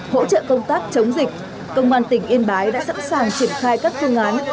hỗ trợ công tác chống dịch công an tỉnh yên bái đã sẵn sàng triển khai các phương án